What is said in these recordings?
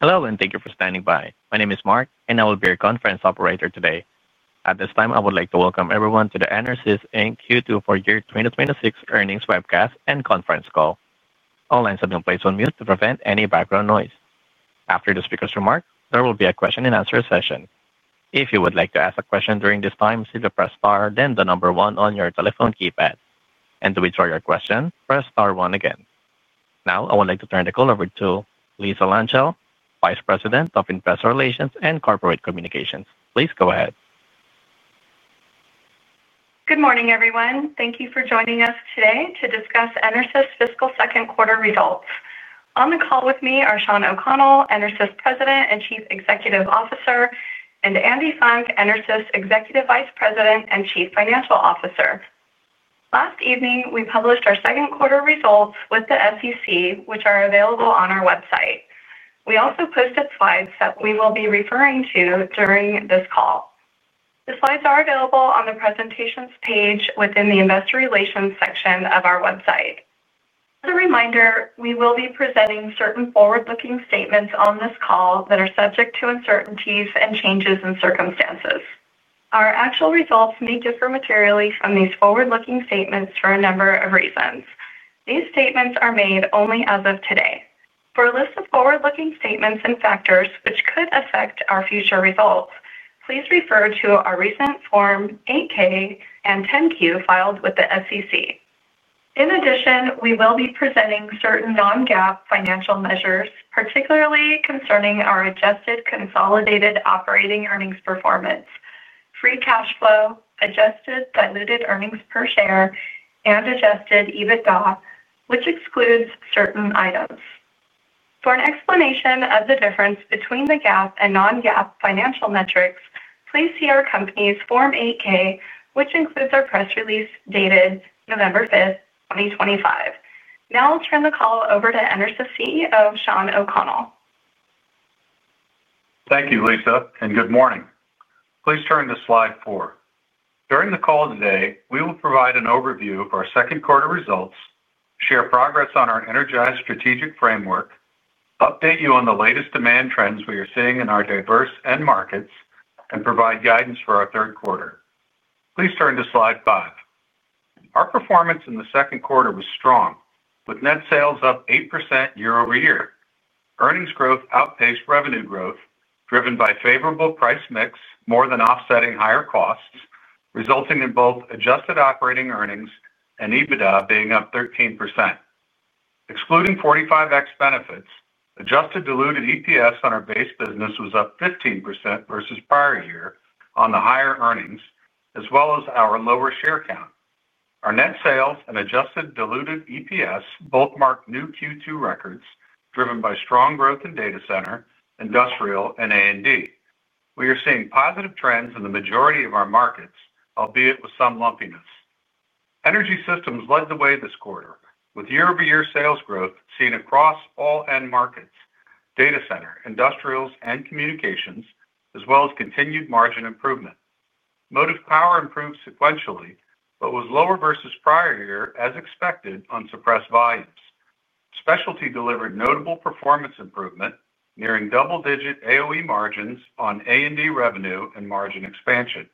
Hello, and thank you for standing by. My name is Mark, and I will be your conference operator today. At this time, I would like to welcome everyone to the EnerSys Q2 for Year 2026 earnings webcast and conference call. All hands are now placed on mute to prevent any background noise. After the speaker's remark, there will be a question-and-answer session. If you would like to ask a question during this time, simply press star, then the number one on your telephone keypad. To withdraw your question, press star one again. Now, I would like to turn the call over to Lisa Lanchell, Vice President of Investor Relations and Corporate Communications. Please go ahead. Good morning, everyone. Thank you for joining us today to discuss EnerSys fiscal second quarter results. On the call with me are Shawn O'Connell, EnerSys President and Chief Executive Officer, and Andy Funk, EnerSys Executive Vice President and Chief Financial Officer. Last evening, we published our second quarter results with the SEC, which are available on our website. We also posted slides that we will be referring to during this call. The slides are available on the presentations page within the Investor Relations section of our website. As a reminder, we will be presenting certain forward-looking statements on this call that are subject to uncertainties and changes in circumstances. Our actual results may differ materially from these forward-looking statements for a number of reasons. These statements are made only as of today. For a list of forward-looking statements and factors which could affect our future results, please refer to our recent Form 8-K and 10-Q filed with the SEC. In addition, we will be presenting certain non-GAAP financial measures, particularly concerning our adjusted consolidated operating earnings performance, free cash flow, adjusted diluted earnings per share, and adjusted EBITDA, which excludes certain items. For an explanation of the difference between the GAAP and non-GAAP financial metrics, please see our company's Form 8-K, which includes our press release dated November 5, 2025. Now I'll turn the call over to EnerSys CEO, Shawn O'Connell. Thank you, Lisa, and good morning. Please turn to slide four. During the call today, we will provide an overview of our second quarter results, share progress on our Energize strategic framework, update you on the latest demand trends we are seeing in our diverse end markets, and provide guidance for our third quarter. Please turn to slide five. Our performance in the second quarter was strong, with net sales up 8% year-over-year. Earnings growth outpaced revenue growth, driven by favorable price mix more than offsetting higher costs, resulting in both adjusted operating earnings and EBITDA being up 13%. Excluding 45x benefits, adjusted diluted EPS on our base business was up 15% versus prior year on the higher earnings, as well as our lower share count. Our net sales and adjusted diluted EPS both mark new Q2 records, driven by strong growth in data center, industrial, and A&D. We are seeing positive trends in the majority of our markets, albeit with some lumpiness. Energy systems led the way this quarter, with year-over-year sales growth seen across all end markets data center, industrials, and communications, as well as continued margin improvement. Motive power improved sequentially but was lower versus prior year, as expected, on suppressed volumes. Specialty delivered notable performance improvement, nearing double-digit AOE margins on A&D revenue and margin expansion.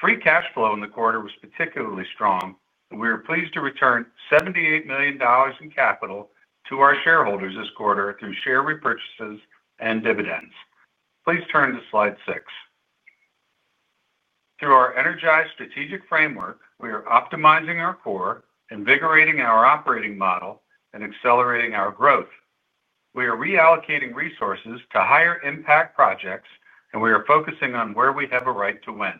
Free cash flow in the quarter was particularly strong, and we are pleased to return $78 million in capital to our shareholders this quarter through share repurchases and dividends. Please turn to slide six. Through our Energize strategic framework, we are optimizing our core, invigorating our operating model, and accelerating our growth. We are reallocating resources to higher impact projects, and we are focusing on where we have a right to win.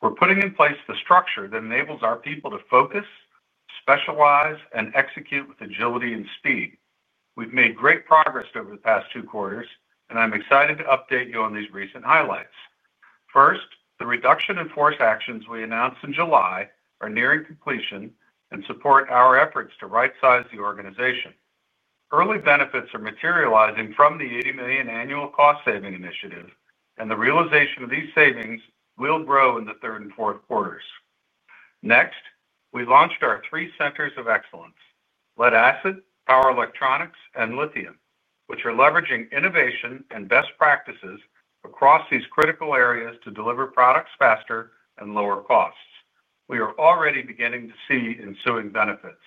We're putting in place the structure that enables our people to focus, specialize, and execute with agility and speed. We've made great progress over the past two quarters, and I'm excited to update you on these recent highlights. First, the reduction in force actions we announced in July are nearing completion and support our efforts to right-size the organization. Early benefits are materializing from the $80 million annual cost-saving initiative, and the realization of these savings will grow in the third and fourth quarters. Next, we launched our three centers of excellence lead acid, power electronics, and lithium, which are leveraging innovation and best practices across these critical areas to deliver products faster and lower costs. We are already beginning to see ensuing benefits.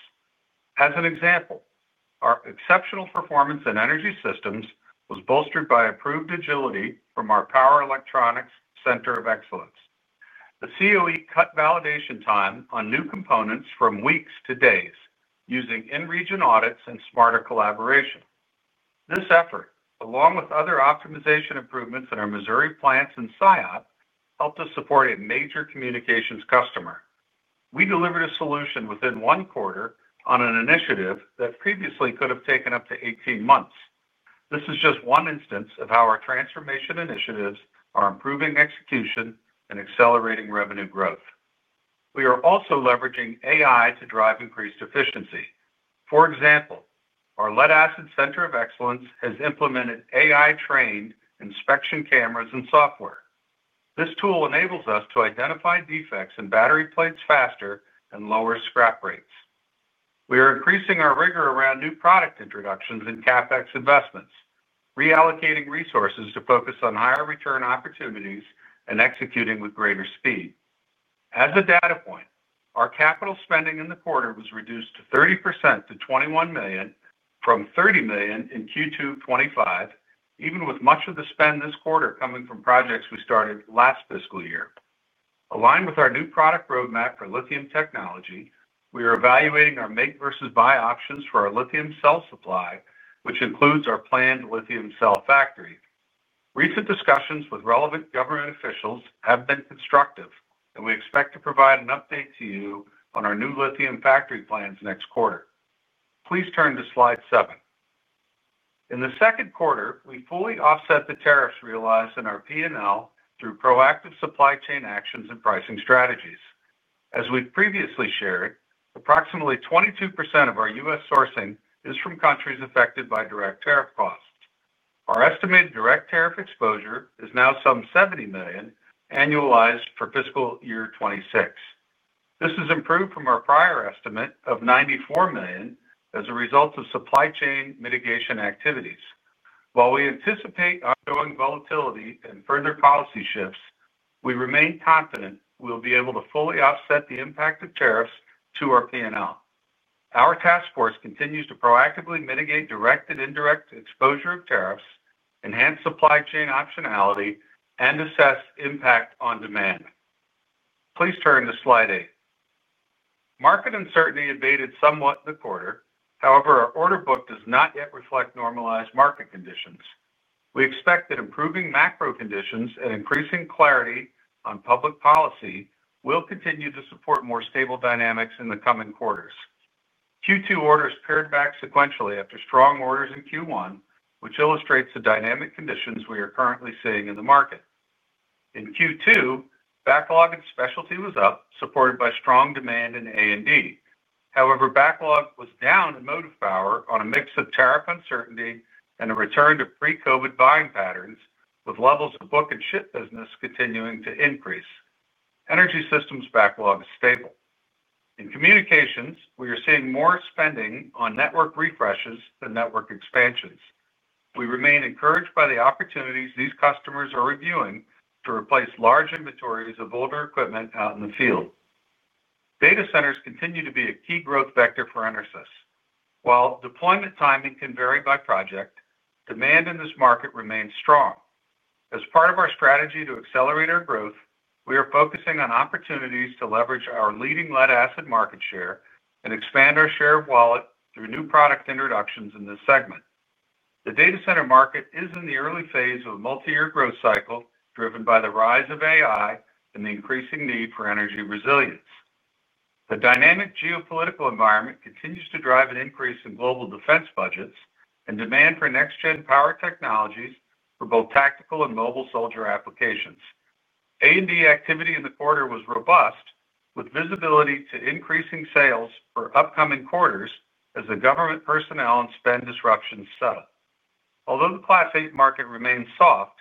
As an example, our exceptional performance in energy systems was bolstered by approved agility from our power electronics center of excellence. The COE cut validation time on new components from weeks to days, using in-region audits and smarter collaboration. This effort, along with other optimization improvements in our Missouri plants and SIOP, helped us support a major communications customer. We delivered a solution within one quarter on an initiative that previously could have taken up to 18 months. This is just one instance of how our transformation initiatives are improving execution and accelerating revenue growth. We are also leveraging AI to drive increased efficiency. For example, our lead acid center of excellence has implemented AI-trained inspection cameras and software. This tool enables us to identify defects in battery plates faster and lower scrap rates. We are increasing our rigor around new product introductions and CapEx investments, reallocating resources to focus on higher return opportunities and executing with greater speed. As a data point, our capital spending in the quarter was reduced 30% to $21 million from $30 million in Q2 2025, even with much of the spend this quarter coming from projects we started last fiscal year. Aligned with our new product roadmap for Lithium technology, we are evaluating our make-versus-buy options for our Lithium cell supply, which includes our planned Lithium cell factory. Recent discussions with relevant government officials have been constructive, and we expect to provide an update to you on our new Lithium factory plans next quarter. Please turn to slide seven. In the second quarter, we fully offset the tariffs realized in our P&L through proactive supply chain actions and pricing strategies. As we've previously shared, approximately 22% of our U.S. sourcing is from countries affected by direct tariff costs. Our estimated direct tariff exposure is now some $70 million annualized for fiscal year 2026. This is improved from our prior estimate of $94 million as a result of supply chain mitigation activities. While we anticipate ongoing volatility and further policy shifts, we remain confident we'll be able to fully offset the impact of tariffs to our P&L. Our task force continues to proactively mitigate direct and indirect exposure of tariffs, enhance supply chain optionality, and assess impact on demand. Please turn to slide eight. Market uncertainty abated somewhat in the quarter. However, our order book does not yet reflect normalized market conditions. We expect that improving macro conditions and increasing clarity on public policy will continue to support more stable dynamics in the coming quarters. Q2 orders pared back sequentially after strong orders in Q1, which illustrates the dynamic conditions we are currently seeing in the market. In Q2, backlog in specialty was up, supported by strong demand in A&D. However, backlog was down in Motive power on a mix of tariff uncertainty and a return to pre-COVID buying patterns, with levels of book and ship business continuing to increase. Energy systems backlog is stable. In communications, we are seeing more spending on network refreshes than network expansions. We remain encouraged by the opportunities these customers are reviewing to replace large inventories of older equipment out in the field. Data centers continue to be a key growth vector for EnerSys. While deployment timing can vary by project, demand in this market remains strong. As part of our strategy to accelerate our growth, we are focusing on opportunities to leverage our leading lead acid market share and expand our share of wallet through new product introductions in this segment. The data center market is in the early phase of a multi-year growth cycle driven by the rise of AI and the increasing need for energy resilience. The dynamic geopolitical environment continues to drive an increase in global defense budgets and demand for next-gen power technologies for both tactical and mobile soldier applications. A&D activity in the quarter was robust, with visibility to increasing sales for upcoming quarters as the government personnel and spend disruptions settle. Although the Class 8 market remained soft,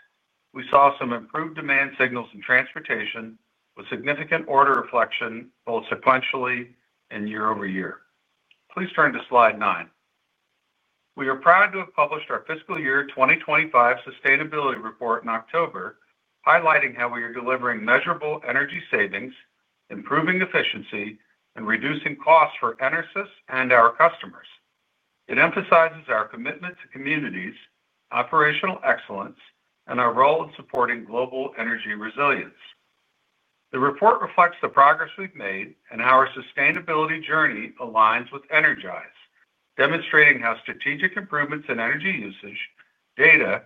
we saw some improved demand signals in transportation, with significant order reflection both sequentially and year-over-year. Please turn to slide nine. We are proud to have published our fiscal year 2025 sustainability report in October, highlighting how we are delivering measurable energy savings, improving efficiency, and reducing costs for EnerSys and our customers. It emphasizes our commitment to communities, operational excellence, and our role in supporting global energy resilience. The report reflects the progress we've made and how our sustainability journey aligns with Energize, demonstrating how strategic improvements in energy usage, data, and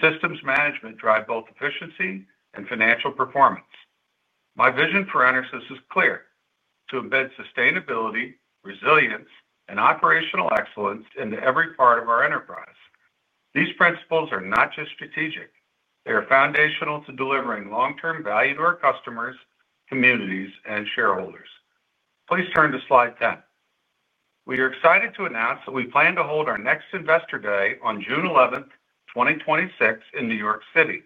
systems management drive both efficiency and financial performance. My vision for EnerSys is clear to embed sustainability, resilience, and operational excellence into every part of our enterprise. These principles are not just strategic. They are foundational to delivering long-term value to our customers, communities, and shareholders. Please turn to slide 10. We are excited to announce that we plan to hold our next Investor Day on June 11, 2026, in New York City.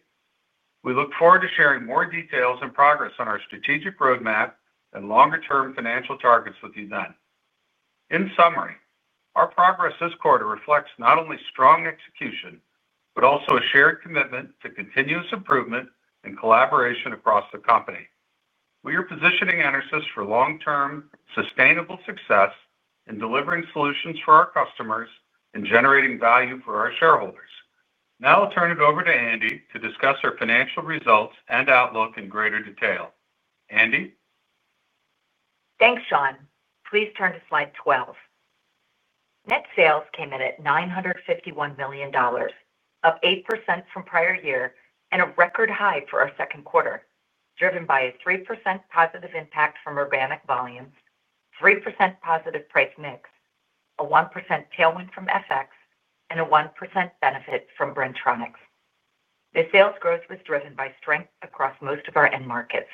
We look forward to sharing more details and progress on our strategic roadmap and longer-term financial targets with you then. In summary, our progress this quarter reflects not only strong execution but also a shared commitment to continuous improvement and collaboration across the company. We are positioning EnerSys for long-term sustainable success in delivering solutions for our customers and generating value for our shareholders. Now I'll turn it over to Andy to discuss our financial results and outlook in greater detail. Andy? Thanks, Shawn. Please turn to slide 12. Net sales came in at $951 million, up 8% from prior year, and a record high for our second quarter, driven by a 3% positive impact from organic volumes, 3% positive price mix, a 1% tailwind from FX, and a 1% benefit from Bren-Tronics. The sales growth was driven by strength across most of our end markets.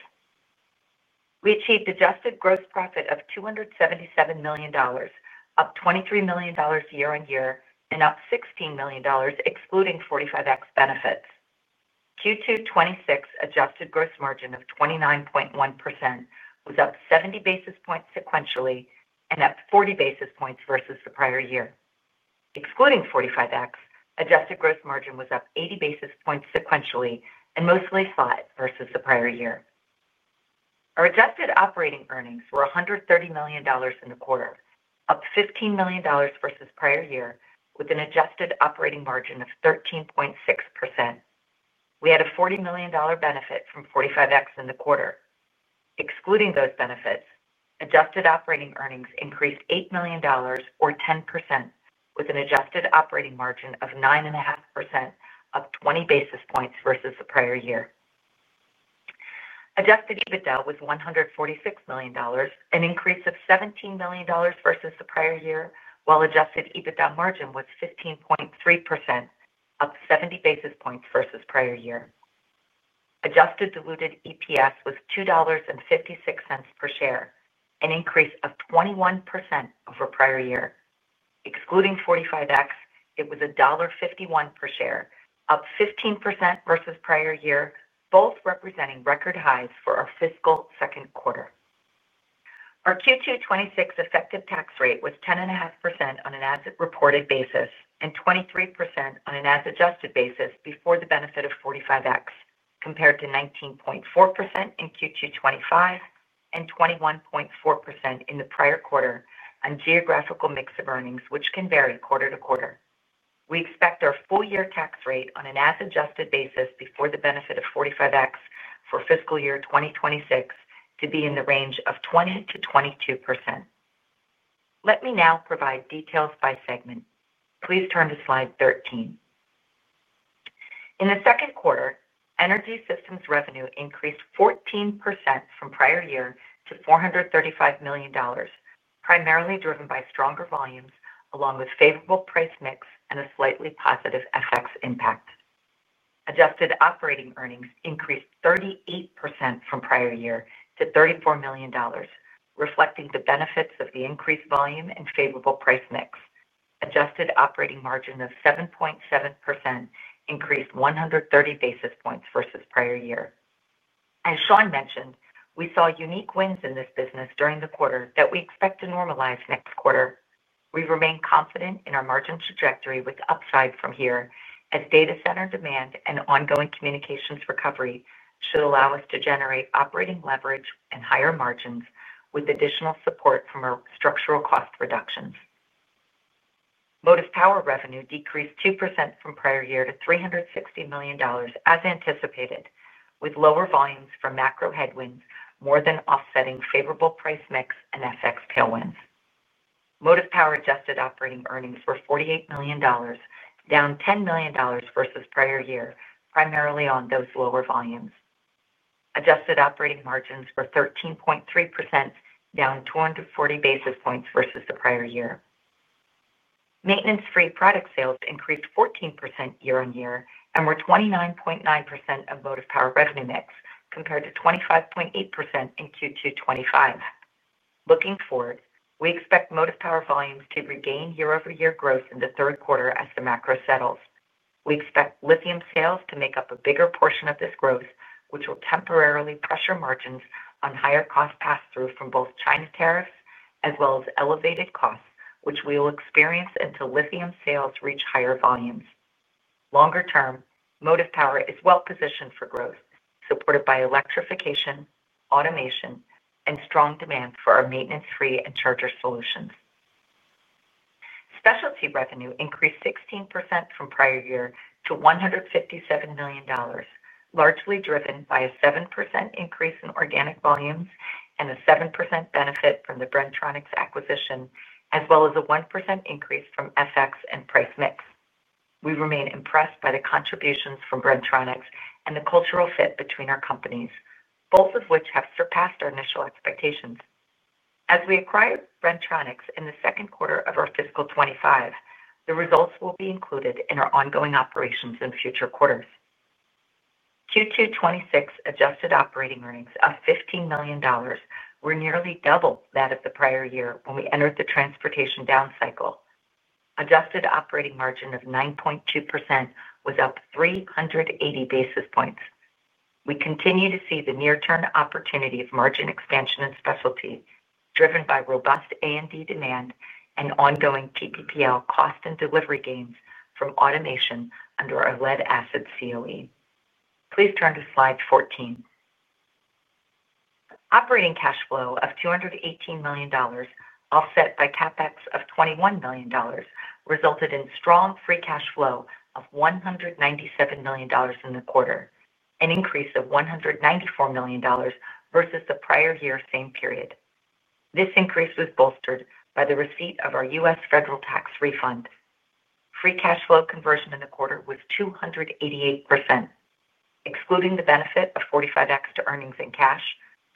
We achieved adjusted gross profit of $277 million, up $23 million year-on-year, and up $16 million, excluding 45x benefits. Q2 2026 adjusted gross margin of 29.1% was up 70 basis points sequentially and up 40 basis points versus the prior year. Excluding 45x, adjusted gross margin was up 80 basis points sequentially and mostly flat versus the prior year. Our adjusted operating earnings were $130 million in the quarter, up $15 million versus prior year, with an adjusted operating margin of 13.6%. We had a $40 million benefit from 45x in the quarter. Excluding those benefits, adjusted operating earnings increased $8 million, or 10%, with an adjusted operating margin of 9.5%, up 20 basis points versus the prior year. Adjusted EBITDA was $146 million, an increase of $17 million versus the prior year, while adjusted EBITDA margin was 15.3%, up 70 basis points versus the prior year. Adjusted diluted EPS was $2.56 per share, an increase of 21% over prior year. Excluding 45x, it was $1.51 per share, up 15% versus the prior year, both representing record highs for our fiscal second quarter. Our Q2 2026 effective tax rate was 10.5% on an as-reported basis and 23% on an as-adjusted basis before the benefit of 45x, compared to 19.4% in Q2 2025 and 21.4% in the prior quarter on geographical mix of earnings, which can vary quarter to quarter. We expect our full-year tax rate on an as-adjusted basis before the benefit of 45x for fiscal year 2026 to be in the range of 20%-22%. Let me now provide details by segment. Please turn to slide 13. In the second quarter, energy systems revenue increased 14% from prior year to $435 million, primarily driven by stronger volumes along with favorable price mix and a slightly positive FX impact. Adjusted operating earnings increased 38% from prior year to $34 million, reflecting the benefits of the increased volume and favorable price mix. Adjusted operating margin of 7.7% increased 130 basis points versus prior year. As Shawn mentioned, we saw unique wins in this business during the quarter that we expect to normalize next quarter. We remain confident in our margin trajectory with upside from here, as data center demand and ongoing communications recovery should allow us to generate operating leverage and higher margins with additional support from our structural cost reductions. Motive power revenue decreased 2% from prior year to $360 million, as anticipated, with lower volumes from macro headwinds more than offsetting favorable price mix and FX tailwinds. Motive power adjusted operating earnings were $48 million, down $10 million versus prior year, primarily on those lower volumes. Adjusted operating margins were 13.3%, down 240 basis points versus the prior year. Maintenance-free product sales increased 14% year-on-year and were 29.9% of motive power revenue mix, compared to 25.8% in Q2 2025. Looking forward, we expect motive power volumes to regain year-over-year growth in the third quarter as the macro settles. We expect Lithium sales to make up a bigger portion of this growth, which will temporarily pressure margins on higher cost pass-through from both China tariffs as well as elevated costs, which we will experience until Lithium sales reach higher volumes. Longer term, motive power is well-positioned for growth, supported by electrification, automation, and strong demand for our maintenance-free and charger solutions. Specialty revenue increased 16% from prior year to $157 million, largely driven by a 7% increase in organic volumes and a 7% benefit from the Bren-Tronics acquisition, as well as a 1% increase from FX and price mix. We remain impressed by the contributions from Bren-Tronics and the cultural fit between our companies, both of which have surpassed our initial expectations. As we acquire Bren-Tronics in the second quarter of our fiscal 2025, the results will be included in our ongoing operations in future quarters. Q2 2026 adjusted operating earnings of $15 million were nearly double that of the prior year when we entered the transportation down cycle. Adjusted operating margin of 9.2% was up 380 basis points. We continue to see the near-term opportunity of margin expansion in specialty, driven by robust A&D demand and ongoing TPPL cost and delivery gains from automation under our lead acid COE. Please turn to slide 14. Operating cash flow of $218 million, offset by CapEx of $21 million, resulted in strong free cash flow of $197 million in the quarter, an increase of $194 million versus the prior year same period. This increase was bolstered by the receipt of our U.S. federal tax refund. Free cash flow conversion in the quarter was 288%. Excluding the benefit of 45x to earnings in cash,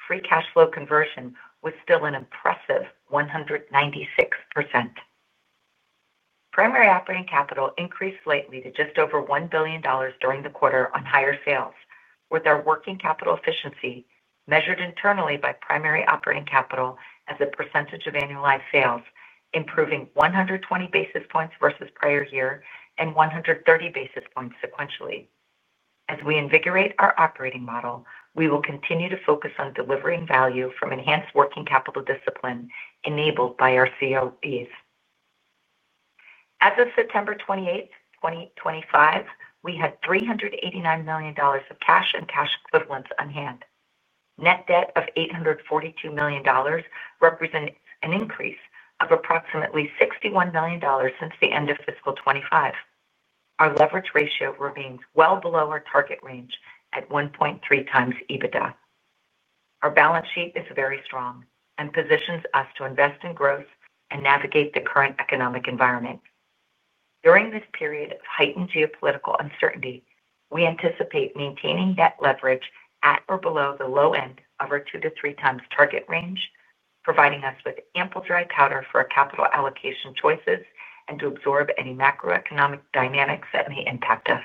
free cash flow conversion was still an impressive 196%. Primary operating capital increased slightly to just over $1 billion during the quarter on higher sales, with our working capital efficiency measured internally by primary operating capital as a percentage of annualized sales, improving 120 basis points versus prior year and 130 basis points sequentially. As we invigorate our operating model, we will continue to focus on delivering value from enhanced working capital discipline enabled by our COEs. As of September 28, 2025, we had $389 million of cash and cash equivalents on hand. Net debt of $842 million represents an increase of approximately $61 million since the end of fiscal 2025. Our leverage ratio remains well below our target range at 1.3x EBITDA. Our balance sheet is very strong and positions us to invest in growth and navigate the current economic environment. During this period of heightened geopolitical uncertainty, we anticipate maintaining net leverage at or below the low end of our 2x-3x target range, providing us with ample dry powder for our capital allocation choices and to absorb any macroeconomic dynamics that may impact us.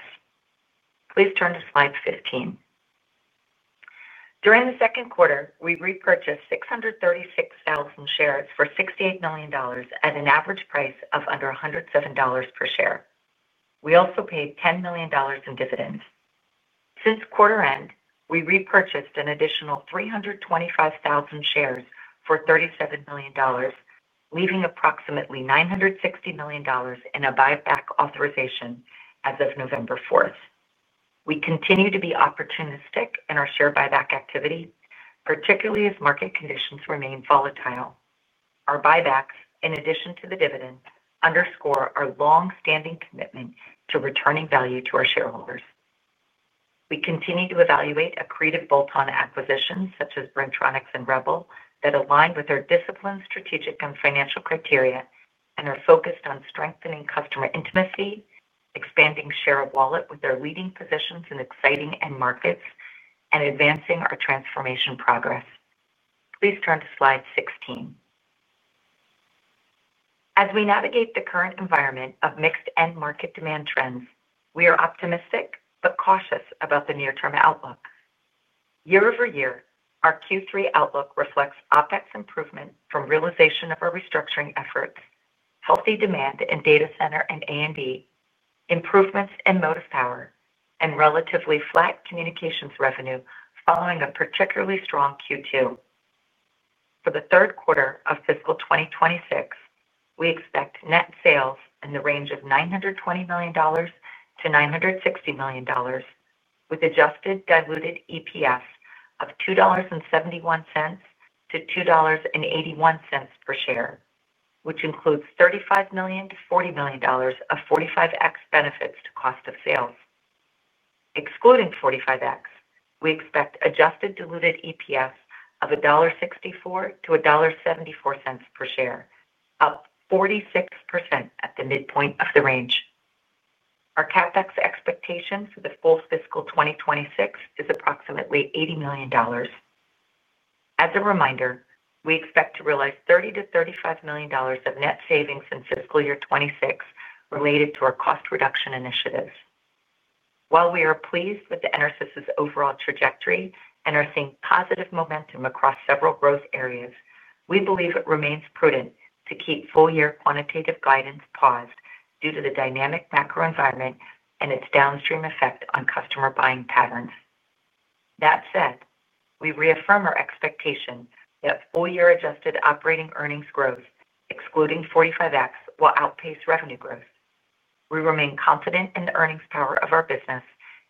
Please turn to slide 15. During the second quarter, we repurchased 636,000 shares for $68 million at an average price of under $107 per share. We also paid $10 million in dividends. Since quarter end, we repurchased an additional 325,000 shares for $37 million, leaving approximately $960 million in a buyback authorization as of November 4. We continue to be opportunistic in our share buyback activity, particularly as market conditions remain volatile. Our buybacks, in addition to the dividends, underscore our long-standing commitment to returning value to our shareholders. We continue to evaluate accretive bolt-on acquisitions such as Bren-Tronics and Rebel that align with our discipline, strategic, and financial criteria and are focused on strengthening customer intimacy, expanding share of wallet with our leading positions in exciting end markets, and advancing our transformation progress. Please turn to slide 16. As we navigate the current environment of mixed end market demand trends, we are optimistic but cautious about the near-term outlook. Year-over-year, our Q3 outlook reflects OpEx improvement from realization of our restructuring efforts, healthy demand in data center and A&D, improvements in motive power, and relatively flat communications revenue following a particularly strong Q2. For the third quarter of fiscal 2026, we expect net sales in the range of $920 million-$960 million, with adjusted diluted EPS of $2.71-$2.81 per share, which includes $35 million-$40 million of 45x benefits to cost of sales. Excluding 45x, we expect adjusted diluted EPS of $1.64-$1.74 per share, up 46% at the midpoint of the range. Our CapEx expectation for the full fiscal 2026 is approximately $80 million. As a reminder, we expect to realize $30 million-$35 million of net savings in fiscal year 2026 related to our cost reduction initiatives. While we are pleased with EnerSys's overall trajectory and are seeing positive momentum across several growth areas, we believe it remains prudent to keep full-year quantitative guidance paused due to the dynamic macro environment and its downstream effect on customer buying patterns. That said, we reaffirm our expectation that full-year adjusted operating earnings growth, excluding 45x, will outpace revenue growth. We remain confident in the earnings power of our business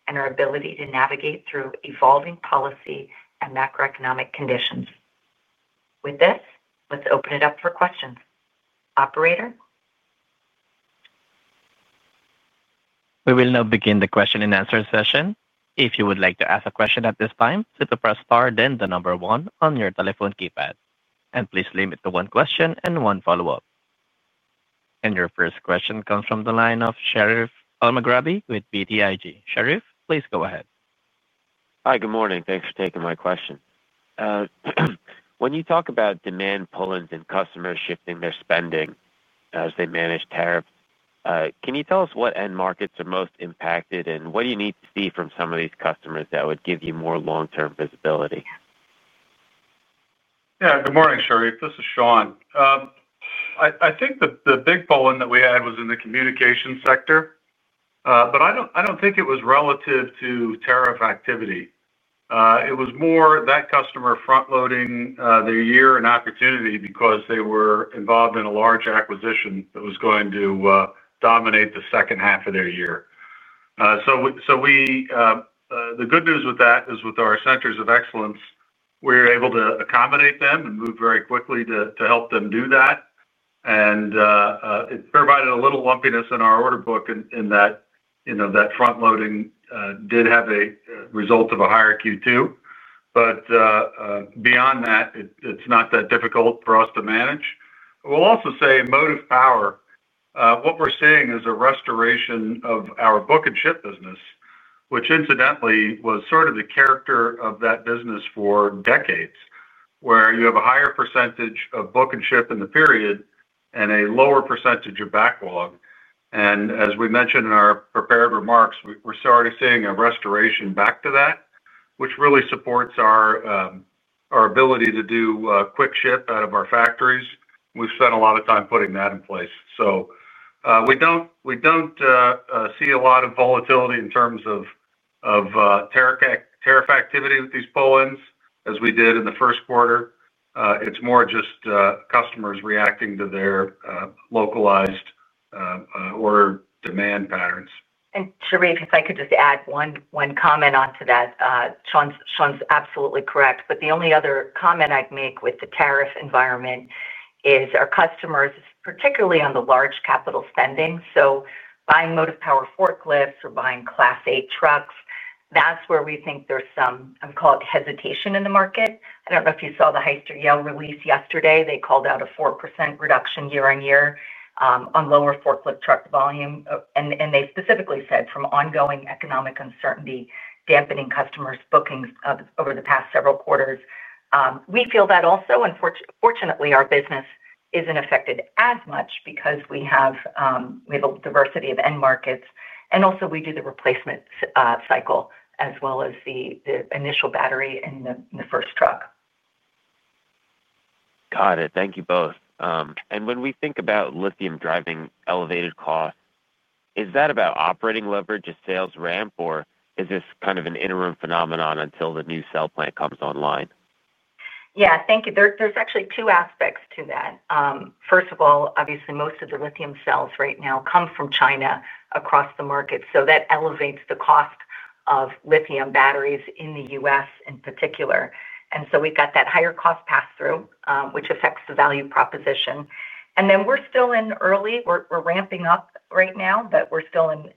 and our ability to navigate through evolving policy and macroeconomic conditions. With this, let's open it up for questions. Operator. We will now begin the question and answer session. If you would like to ask a question at this time, hit the plus star, then the number one on your telephone keypad. Please limit to one question and one follow-up. Your first question comes from the line of Sharif Al-Maghrabi with BTIG. Sharif, please go ahead. Hi, good morning. Thanks for taking my question. When you talk about demand pullings and customers shifting their spending as they manage tariffs, can you tell us what end markets are most impacted and what do you need to see from some of these customers that would give you more long-term visibility? Yeah, good morning, Sharif. This is Shawn. I think the big pulling that we had was in the communication sector. I do not think it was relative to tariff activity. It was more that customer front-loading their year and opportunity because they were involved in a large acquisition that was going to dominate the second half of their year. The good news with that is with our centers of excellence, we were able to accommodate them and move very quickly to help them do that. It provided a little lumpiness in our order book in that. Front-loading did have a result of a higher Q2. However, beyond that, it's not that difficult for us to manage. I'll also say Motive power, what we're seeing is a restoration of our book and ship business, which incidentally was sort of the character of that business for decades, where you have a higher percentage of book and ship in the period and a lower percentage of backlog. As we mentioned in our prepared remarks, we're starting to see a restoration back to that, which really supports our ability to do quick ship out of our factories. We've spent a lot of time putting that in place. We don't see a lot of volatility in terms of tariff activity with these pull-ins as we did in the first quarter. It's more just customers reacting to their localized order demand patterns. Sharif, if I could just add one comment onto that, Shawn's absolutely correct. The only other comment I'd make with the tariff environment is our customers, particularly on the large capital spending, so buying Motive power forklifts or buying Class 8 trucks, that's where we think there's some, I'll call it hesitation in the market. I don't know if you saw the Hyster-Yale release yesterday. They called out a 4% reduction year on year on lower forklift truck volume. They specifically said from ongoing economic uncertainty, dampening customers' bookings over the past several quarters. We feel that also. Unfortunately, our business isn't affected as much because we have a diversity of end markets. Also, we do the replacement cycle as well as the initial battery in the first truck. Got it. Thank you both. When we think about Lithium driving elevated costs, is that about operating leverage as sales ramp, or is this kind of an interim phenomenon until the new cell plant comes online? Yeah, thank you. There are actually two aspects to that. First of all, obviously, most of the Lithium cells right now come from China across the market. That elevates the cost of Lithium batteries in the U.S. in particular. We have that higher cost pass-through, which affects the value proposition. We are still in early. We are ramping up right now, but we are still in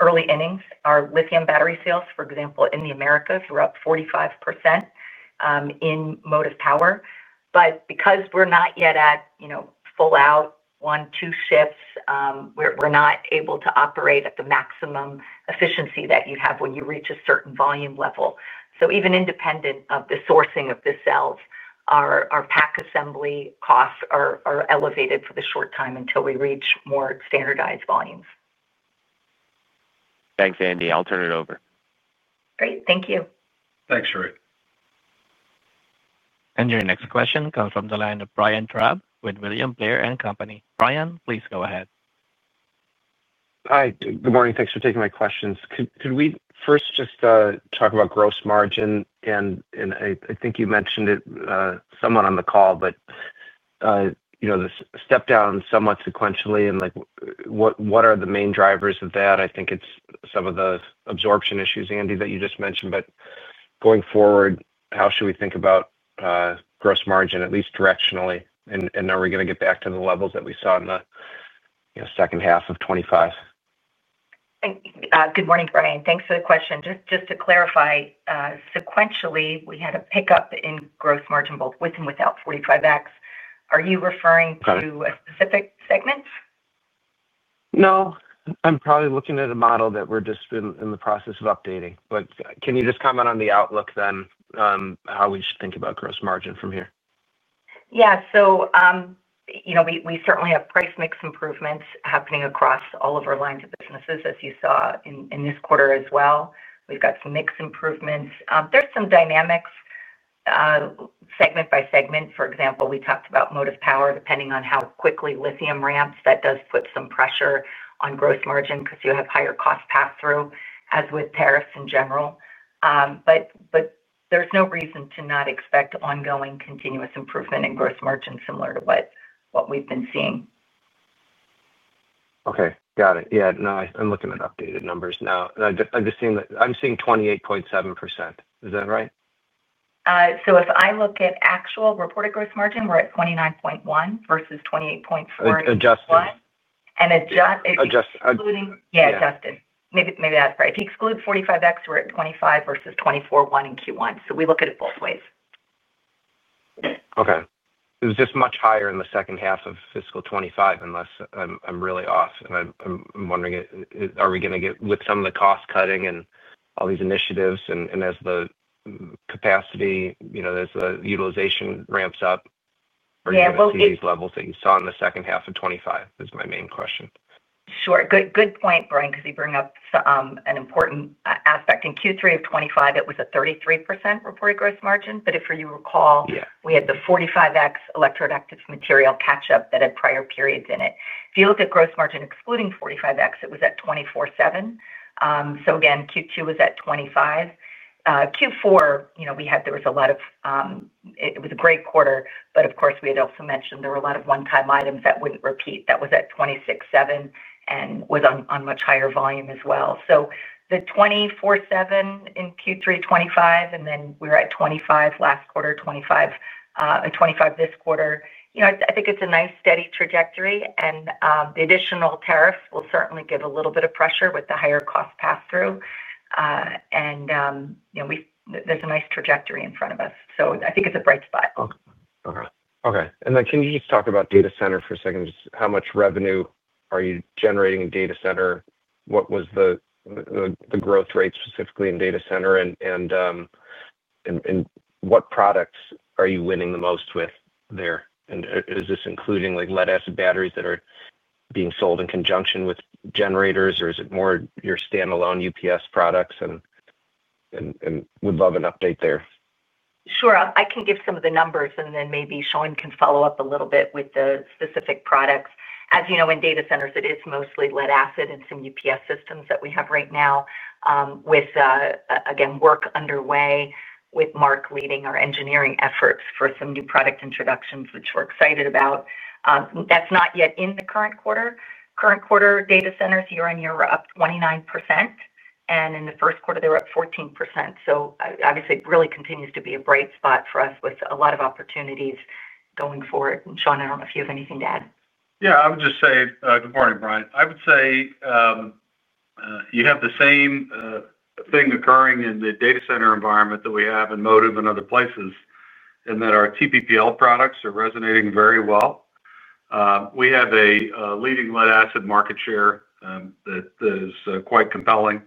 early innings. Our Lithium battery sales, for example, in the Americas were up 45% in Motive power. Because we are not yet at full-out one, two shifts, we are not able to operate at the maximum efficiency that you have when you reach a certain volume level. Even independent of the sourcing of the cells, our pack assembly costs are elevated for the short time until we reach more standardized volumes. Thanks, Andy. I'll turn it over. Great. Thank you. Thanks, Sharif. Your next question comes from the line of Brian Traub with William Blair & Company. Brian, please go ahead. Hi. Good morning. Thanks for taking my questions. Could we first just talk about gross margin? I think you mentioned it somewhat on the call, but the step down somewhat sequentially and what are the main drivers of that? I think it's some of the absorption issues, Andy, that you just mentioned. Going forward, how should we think about gross margin, at least directionally? Are we going to get back to the levels that we saw in the second half of 2025? Good morning, Brian. Thanks for the question. Just to clarify, sequentially, we had a pickup in gross margin both with and without 45x. Are you referring to a specific segment? No. I'm probably looking at a model that we're just in the process of updating. Can you just comment on the outlook then, how we should think about gross margin from here? Yeah. We certainly have price mix improvements happening across all of our lines of businesses, as you saw in this quarter as well. We've got some mix improvements. There are some dynamics, segment by segment. For example, we talked about Motive power. Depending on how quickly Lithium ramps, that does put some pressure on gross margin because you have higher cost pass-through, as with tariffs in general. There is no reason to not expect ongoing continuous improvement in gross margin similar to what we've been seeing. Okay. Got it. Yeah. No, I'm looking at updated numbers now. I'm seeing 28.7%. Is that right? If I look at actual reported gross margin, we're at 29.1% versus 28.4%. And adjusted, yeah, adjusted. Maybe that's right. If you exclude 45x, we're at 25% versus 24.1% in Q1. We look at it both ways. Okay. It was just much higher in the second half of fiscal 2025 unless I'm really off. I'm wondering, are we going to get, with some of the cost cutting and all these initiatives and as the capacity, as the utilization ramps up, are you going to see these levels that you saw in the second half of 2025? That's my main question. Sure. Good point, Brian, because you bring up an important aspect. In Q3 of 2025, it was a 33% reported gross margin. If you recall, we had the 45x electroactive material catch-up that had prior periods in it. If you look at gross margin excluding 45x, it was at 24.7%. Q2 was at 25%. Q4, we had, there was a lot of, it was a great quarter. Of course, we had also mentioned there were a lot of one-time items that would not repeat. That was at 26.7% and was on much higher volume as well. The 24.7% in Q3 2025, and then we were at 25% last quarter, 25% this quarter. I think it is a nice steady trajectory. The additional tariffs will certainly give a little bit of pressure with the higher cost pass-through. There is a nice trajectory in front of us. I think it is a bright spot. Okay. Can you just talk about data center for a second? Just how much revenue are you generating in data center? What was the growth rate specifically in data center? What products are you winning the most with there? Is this including Lead-Acid batteries that are being sold in conjunction with generators, or is it more your standalone UPS products? Would love an update there. Sure. I can give some of the numbers, and then maybe Shawn can follow up a little bit with the specific products. As you know, in data centers, it is mostly Lead-Acid and some UPS systems that we have right now, with work underway with Mark leading our engineering efforts for some new product introductions, which we're excited about. That's not yet in the current quarter. Current quarter data centers year-on-year were up 29%. In the first quarter, they were up 14%. It really continues to be a bright spot for us with a lot of opportunities going forward. Shawn, I do not know if you have anything to add. Yeah. I would just say, good morning, Brian. I would say you have the same thing occurring in the data center environment that we have in motive and other places, and that our TPPL products are resonating very well. We have a leading Lead-Acid market share that is quite compelling.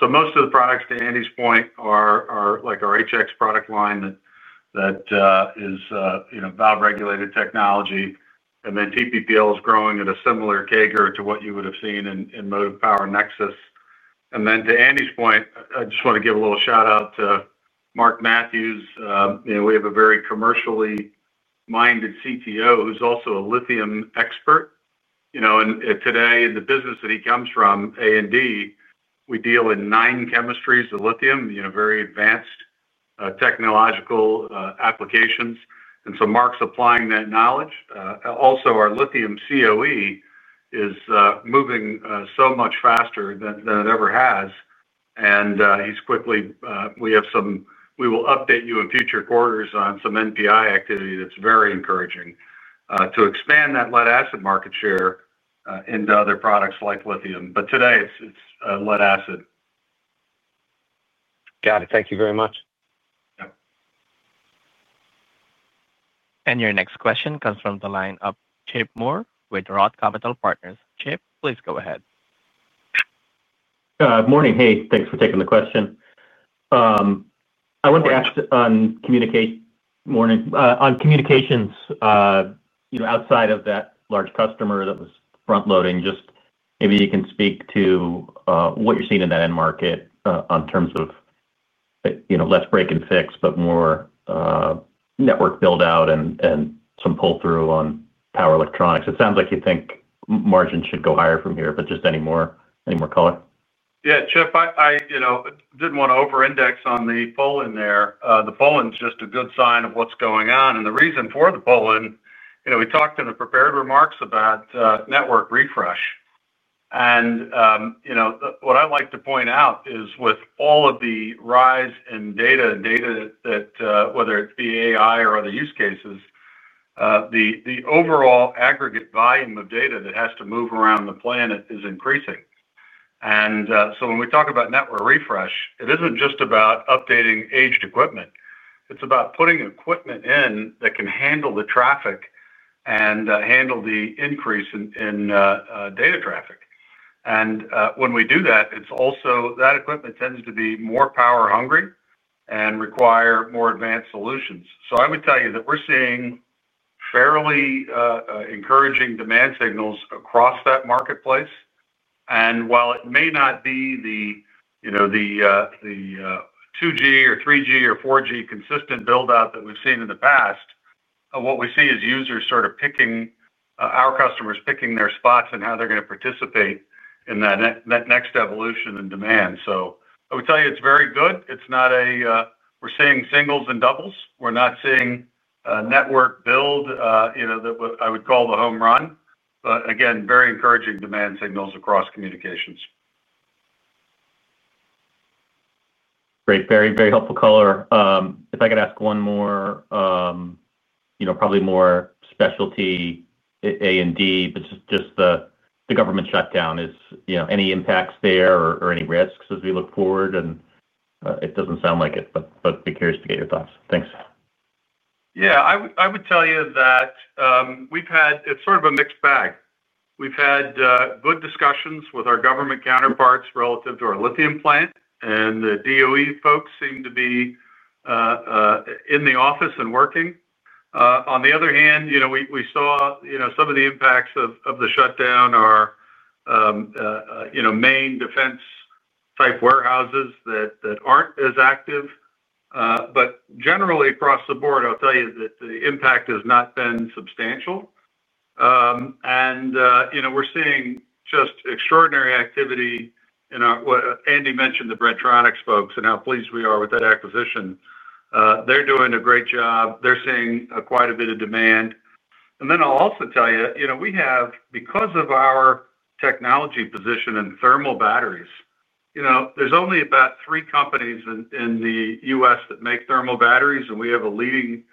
Most of the products, to Andy's point, are like our HX product line that is valve-regulated technology. TPPL is growing at a similar cagre to what you would have seen in Motive power nexus. To Andy's point, I just want to give a little shout-out to Mark Matthews. We have a very commercially minded CTO who is also a Lithium expert. Today, in the business that he comes from, A&D, we deal in nine chemistries of Lithium, very advanced technological applications. Mark's applying that knowledge. Also, our Lithium COE is moving so much faster than it ever has. We will update you in future quarters on some NPI activity that's very encouraging to expand that Lead-Acid market share into other products like Lithium. Today, it's Lead-Acid. Got it. Thank you very much. Your next question comes from the line of Chip Moore with Roth Capital Partners. Chip, please go ahead. Good morning. Hey, thanks for taking the question. I wanted to ask on communications. Outside of that large customer that was front-loading, just maybe you can speak to what you're seeing in that end market in terms of less break and fix, but more network build-out and some pull-through on power electronics. It sounds like you think margin should go higher from here, but just any more color? Yeah. Chip, I did not want to over-index on the poll in there. The poll is just a good sign of what is going on. The reason for the poll in, we talked in the prepared remarks about network refresh. What I would like to point out is with all of the rise in data, whether it be AI or other use cases, the overall aggregate volume of data that has to move around the planet is increasing. When we talk about network refresh, it is not just about updating aged equipment. It is about putting equipment in that can handle the traffic and handle the increase in data traffic. When we do that, that equipment tends to be more power-hungry and require more advanced solutions. I would tell you that we're seeing fairly encouraging demand signals across that marketplace. While it may not be the 2G or 3G or 4G consistent build-out that we've seen in the past, what we see is users, sort of, picking, our customers picking their spots in how they're going to participate in that next evolution in demand. I would tell you it's very good. We're seeing singles and doubles. We're not seeing a network build that I would call the home run. Again, very encouraging demand signals across communications. Great. Very, very helpful color. If I could ask one more, probably more specialty, A&D, but just the government shutdown, any impacts there or any risks as we look forward? It doesn't sound like it, but I'd be curious to get your thoughts. Thanks. Yeah. I would tell you that. We've had, it's sort of a mixed bag. We've had good discussions with our government counterparts relative to our Lithium plant, and the DOE folks seem to be in the office and working. On the other hand, we saw some of the impacts of the shutdown. Our main defense-type warehouses aren't as active. Generally, across the board, I'll tell you that the impact has not been substantial. We're seeing just extraordinary activity in our, Andy mentioned the Bren-Tronics folks and how pleased we are with that acquisition. They're doing a great job. They're seeing quite a bit of demand. I'll also tell you, because of our technology position in Thermal batteries, there's only about three companies in the U.S. that make Thermal batteries, and we have a leading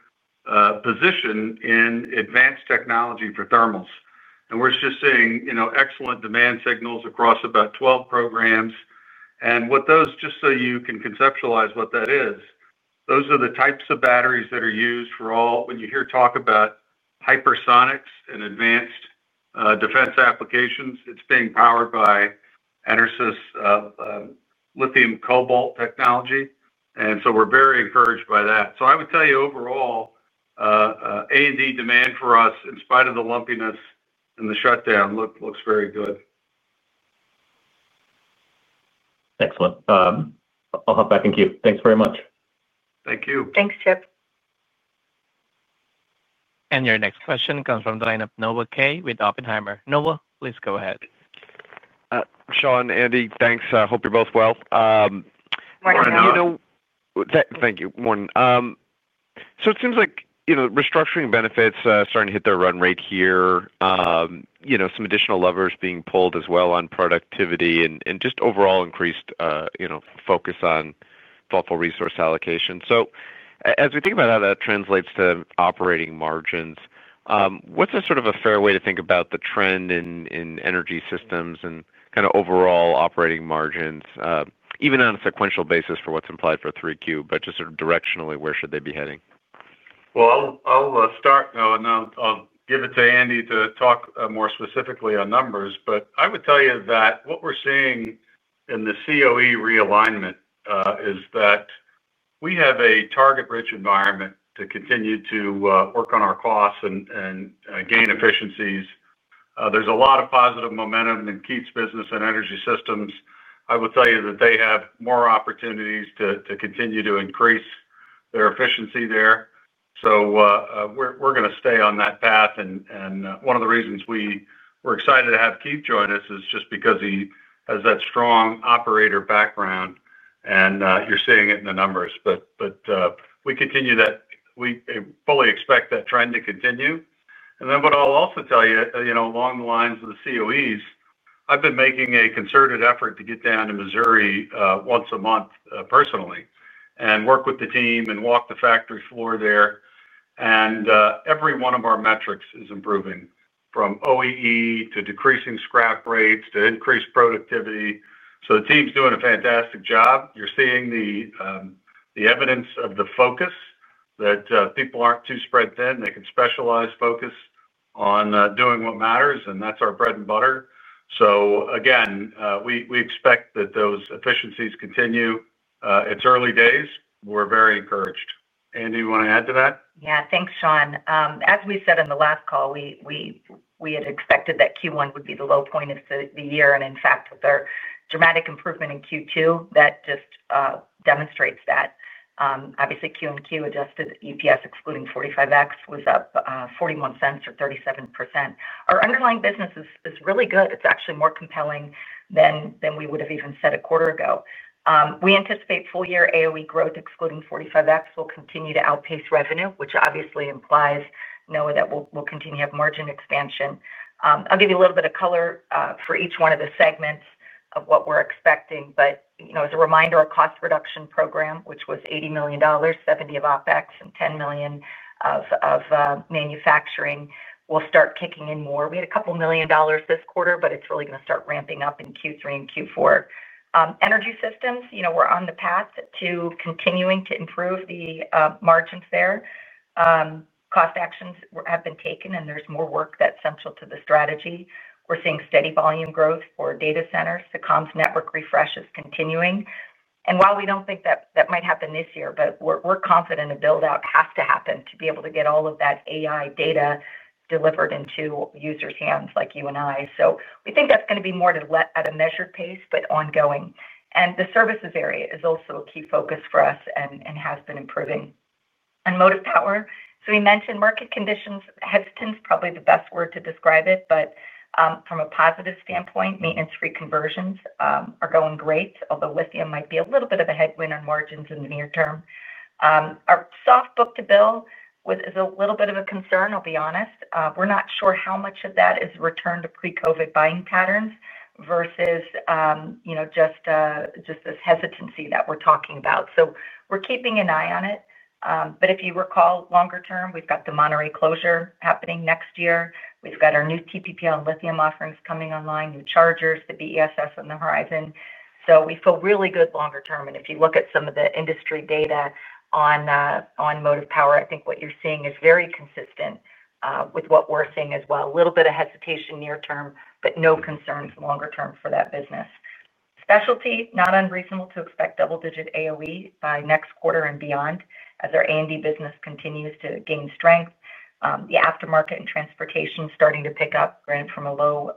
position in advanced technology for thermals. We're just seeing excellent demand signals across about 12 programs. Just so you can conceptualize what that is, those are the types of batteries that are used for all when you hear talk about hypersonics and advanced defense applications, it is being powered by EnerSys Lithium cobalt technology. We are very encouraged by that. I would tell you overall A&D demand for us, in spite of the lumpiness in the shutdown, looks very good. Excellent. I'll hop back in queue. Thanks very much. Thank you. Thanks, Chip. Your next question comes from the line of Noah Kaye with Oppenheimer. Noah, please go ahead. Shawn, Andy, thanks. I hope you're both well. Thank you. Morning. It seems like restructuring benefits are starting to hit their run rate here. Some additional levers being pulled as well on productivity and just overall increased focus on thoughtful resource allocation. As we think about how that translates to operating margins, what's sort of a fair way to think about the trend in energy systems and kind of overall operating margins, even on a sequential basis for what's implied for 3Q, but just sort of directionally, where should they be heading? I'll start, and I'll give it to Andy to talk more specifically on numbers. I would tell you that what we're seeing in the COE realignment is that we have a target-rich environment to continue to work on our costs and gain efficiencies. There's a lot of positive momentum in Keith's business and energy systems. I will tell you that they have more opportunities to continue to increase their efficiency there. We're going to stay on that path. One of the reasons we're excited to have Keith join us is just because he has that strong operator background. You're seeing it in the numbers. We fully expect that trend to continue. What I'll also tell you along the lines of the COEs, I've been making a concerted effort to get down to Missouri once a month personally and work with the team and walk the factory floor there. Every one of our metrics is improving from OEE to decreasing scrap rates to increased productivity. The team's doing a fantastic job. You're seeing the evidence of the focus that people aren't too spread thin. They can specialize, focus on doing what matters, and that's our bread and butter. Again, we expect that those efficiencies continue. It's early days. We're very encouraged. Andy, you want to add to that? Yeah. Thanks, Shawn. As we said in the last call, we had expected that Q1 would be the low point of the year. In fact, with our dramatic improvement in Q2, that just demonstrates that. Obviously, Q&Q adjusted EPS, excluding 45x, was up $0.41 or 37%. Our underlying business is really good. It's actually more compelling than we would have even said a quarter ago. We anticipate full-year AOE growth, excluding 45x, will continue to outpace revenue, which obviously implies, Noah, that we'll continue to have margin expansion. I'll give you a little bit of color for each one of the segments of what we're expecting. As a reminder, our cost reduction program, which was $80 million, $70 million of OpEx, and $10 million of manufacturing, will start kicking in more. We had a couple of million dollars this quarter, but it's really going to start ramping up in Q3 and Q4. Energy systems, we're on the path to continuing to improve the margins there. Cost actions have been taken, and there's more work that's central to the strategy. We're seeing steady volume growth for data centers. The comms network refresh is continuing. While we don't think that might happen this year, we're confident a build-out has to happen to be able to get all of that AI data delivered into users' hands like you and I. We think that's going to be more at a measured pace, but ongoing. The services area is also a key focus for us and has been improving. Motive power, we mentioned market conditions. Hesitant is probably the best word to describe it, but from a positive standpoint, maintenance-free conversions are going great, although Lithium might be a little bit of a headwind on margins in the near term. Our soft book to bill is a little bit of a concern, I'll be honest. We're not sure how much of that is returned to pre-COVID buying patterns versus just this hesitancy that we're talking about. We are keeping an eye on it. If you recall, longer term, we've got the Monterey closure happening next year. We've got our new TPPL Lithium offerings coming online, new chargers, the BESS on the horizon. We feel really good longer term. If you look at some of the industry data on Motive power, I think what you're seeing is very consistent with what we're seeing as well. A little bit of hesitation near term, but no concerns longer term for that business. Specialty, not unreasonable to expect double-digit AOE by next quarter and beyond as our A&D business continues to gain strength. The aftermarket and transportation starting to pick up, granted, from a low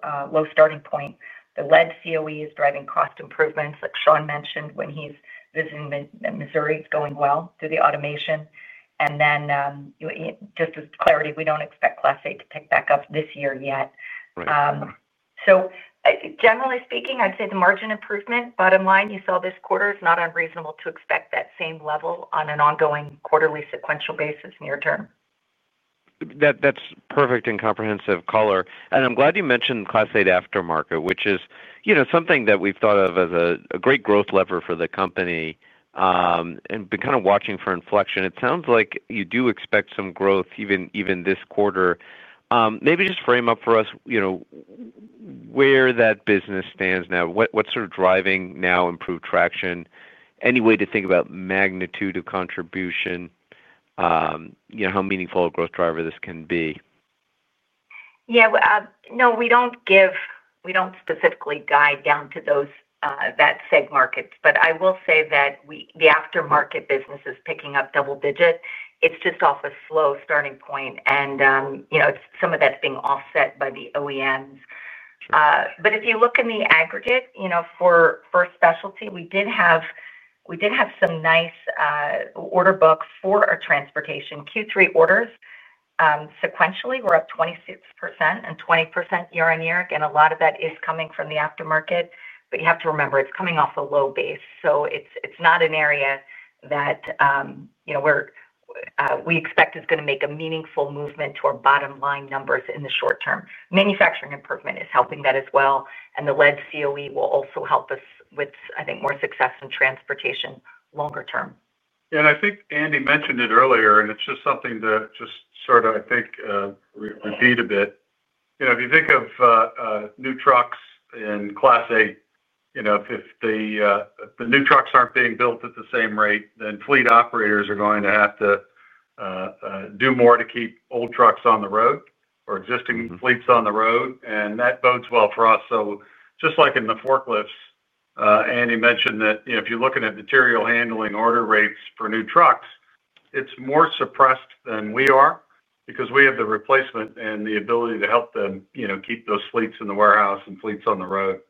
starting point. The lead COE is driving cost improvements, like Shawn mentioned when he's visiting Missouri, going well through the automation. Just as clarity, we do not expect Class A to pick back up this year yet. Generally speaking, I'd say the margin improvement, bottom line, you saw this quarter, it's not unreasonable to expect that same level on an ongoing quarterly sequential basis near term. That's perfect and comprehensive color. I'm glad you mentioned Class A aftermarket, which is something that we've thought of as a great growth lever for the company. And been kind of watching for inflection. It sounds like you do expect some growth even this quarter. Maybe just frame up for us where that business stands now. What's sort of driving now improved traction? Any way to think about magnitude of contribution? How meaningful a growth driver this can be? Yeah. No, we don't specifically guide down to that segment market. I will say that the aftermarket business is picking up double-digit. It's just off a slow starting point. Some of that's being offset by the OEMs. If you look in the aggregate for specialty, we did have some nice order books for our transportation. Q3 orders sequentially were up 26% and 20% year-on-year. Again, a lot of that is coming from the aftermarket. You have to remember, it's coming off a low base. It's not an area that. We expect is going to make a meaningful movement to our bottom line numbers in the short term. Manufacturing improvement is helping that as well. The lead COE will also help us with, I think, more success in transportation longer term. Yeah. I think Andy mentioned it earlier, and it's just something to just sort of, I think, repeat a bit. If you think of new trucks in Class A, if the new trucks aren't being built at the same rate, then fleet operators are going to have to do more to keep old trucks on the road or existing fleets on the road. That bodes well for us, just like in the forklifts. Andy mentioned that if you're looking at material handling order rates for new trucks, it's more suppressed than we are because we have the replacement and the ability to help them keep those fleets in the warehouse and fleets on the road.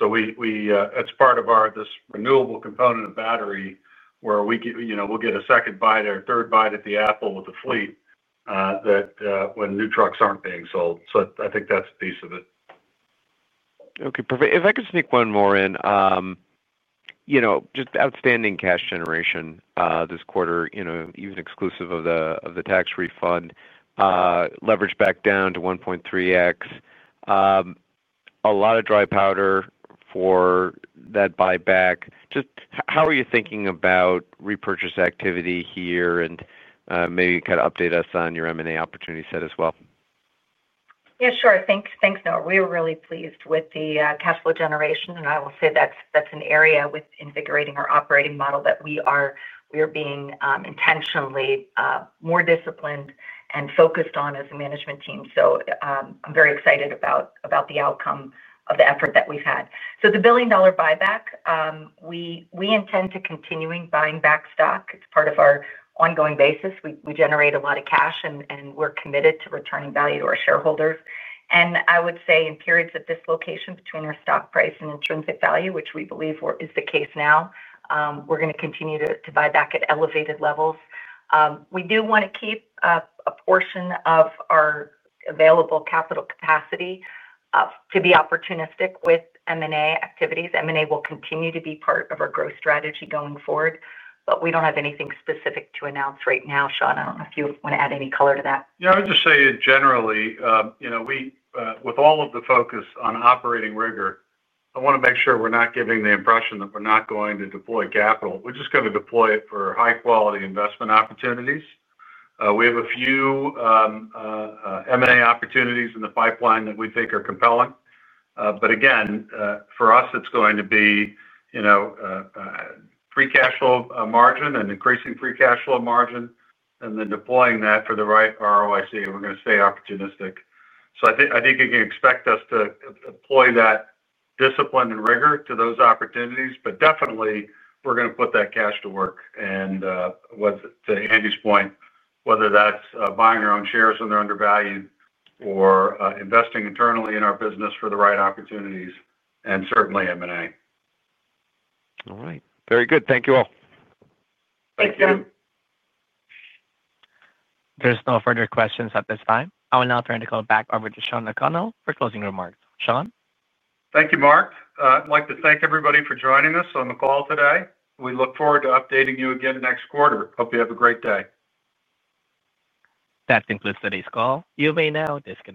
It's part of this renewable component of battery where we'll get a second bite or a third bite at the apple with the fleet when new trucks aren't being sold. I think that's a piece of it. Okay. Perfect. If I could sneak one more in. Just outstanding cash generation this quarter, even exclusive of the tax refund. Leveraged back down to 1.3x. A lot of dry powder for that buyback. Just how are you thinking about repurchase activity here and maybe kind of update us on your M&A opportunity set as well? Yeah, sure. Thanks, Noah. We are really pleased with the cash flow generation. That is an area with invigorating our operating model that we are being intentionally more disciplined and focused on as a management team. I am very excited about the outcome of the effort that we have had. The billion-dollar buyback, we intend to continue buying back stock. It is part of our ongoing basis. We generate a lot of cash, and we are committed to returning value to our shareholders. I would say in periods of dislocation between our stock price and intrinsic value, which we believe is the case now, we are going to continue to buy back at elevated levels. We do want to keep a portion of our available capital capacity to be opportunistic with M&A activities. M&A will continue to be part of our growth strategy going forward. We do not have anything specific to announce right now, Shawn. I do not know if you want to add any color to that. Yeah. I would just say generally, with all of the focus on operating rigor, I want to make sure we are not giving the impression that we are not going to deploy capital. We are just going to deploy it for high-quality investment opportunities. We have a few M&A opportunities in the pipeline that we think are compelling. Again, for us, it is going to be free cash flow margin and increasing free cash flow margin and then deploying that for the right ROIC. We are going to stay opportunistic. I think you can expect us to deploy that discipline and rigor to those opportunities. Definitely, we are going to put that cash to work. To Andy's point, whether that is buying our own shares when they are undervalued or investing internally in our business for the right opportunities and certainly M&A. All right. Very good. Thank you all. Thank you. There are no further questions at this time. I will now turn the call back over to Shawn O'Connell for closing remarks. Shawn? Thank you, Mark. I'd like to thank everybody for joining us on the call today. We look forward to updating you again next quarter. Hope you have a great day. That concludes today's call. You may now disconnect.